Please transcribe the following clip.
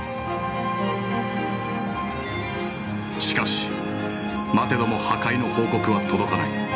しかし、待てども破壊の報告は届かない。